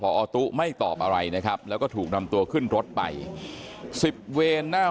พอตู้ไม่ตอบอะไรนะครับแล้วก็ถูกนำตัวขึ้นรถไปสิบเวนหน้า